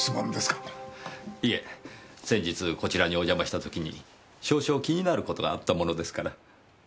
いえ先日こちらにお邪魔した時に少々気になる事があったものですから。